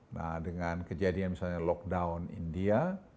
nah dengan kejadian misalnya lockdown india